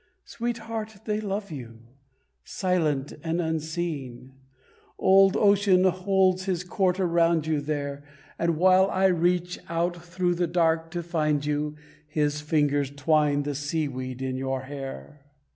Sweetheart, they love you; silent and unseeing, Old Ocean holds his court around you there, And while I reach out through the dark to find you His fingers twine the sea weed in your hair.